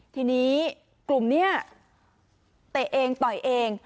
ทีนี้กลุ่มนี้เตะเองต่อยเอง